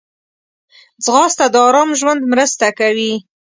ځغاسته د آرام ژوند مرسته کوي